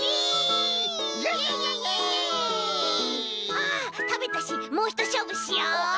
あったべたしもうひとしょうぶしよう！